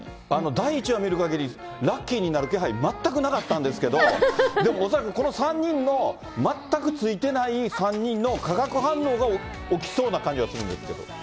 第１話見るかぎり、ラッキーになる気配全くなかったんですけど、でも恐らく、この３人の全くついてない３人の化学反応が起きそうな感じはするんですけど。